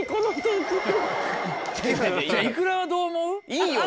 いいよ